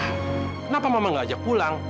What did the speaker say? kenapa mama gak ajak pulang